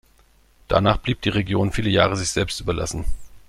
Danach blieb die Region viele Jahre sich selbst überlassen.